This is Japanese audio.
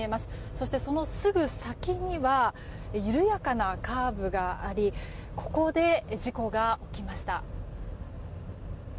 そして、そのすぐ先には緩やかなカーブがありここで事故が起きました。